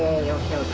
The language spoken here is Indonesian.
maudie udah berhasil